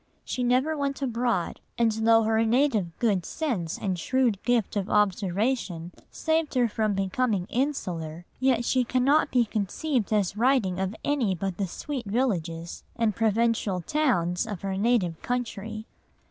She never went abroad, and though her native good sense and shrewd gift of observation saved her from becoming insular, yet she cannot be conceived as writing of any but the sweet villages and the provincial towns of her native country.